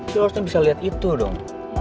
lu harusnya bisa liat itu dong